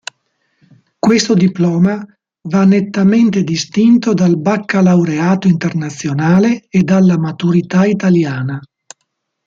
Questo diploma va nettamente distinto dal baccalaureato internazionale e dalla maturità italiana.